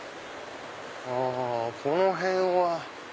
あこの辺は。